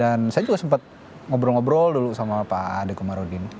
dan saya juga sempet ngobrol ngobrol dulu sama pak adekomarudin